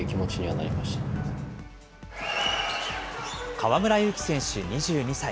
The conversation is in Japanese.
河村勇輝選手２２歳。